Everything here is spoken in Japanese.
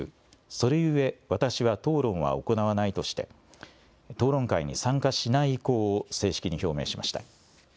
それゆえ私は討論は行わないとして、討論会に参加しない意向を正式に表明しました。